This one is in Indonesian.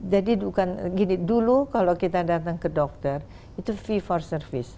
jadi dulu kalau kita datang ke dokter itu fee for service